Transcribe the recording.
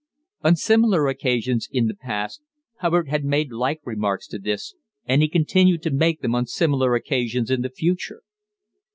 On similar occasions in the past Hubbard had made like remarks to this, and he continued to make them on similar occasions in the future.